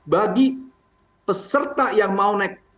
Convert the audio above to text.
bagi peserta yang mau naik